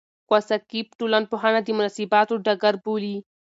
کواساکي ټولنپوهنه د مناسباتو ډګر بولي.